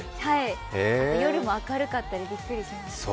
あと、夜も明るかったりびっくりしました。